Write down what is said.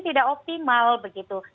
tidak optimal begitu